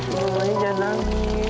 mama aja langsung ya